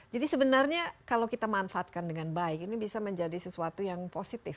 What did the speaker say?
jadi sebenarnya kalau kita manfaatkan dengan baik ini bisa menjadi sesuatu yang positif